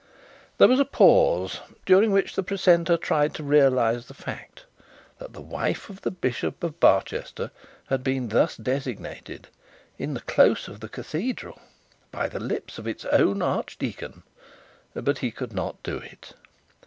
There was a pause, during which the precentor tried to realise the fact that the wife of the bishop of Barchester had been thus designated, in the close of the cathedral, by the lips of its own archdeacon: but he could not do it.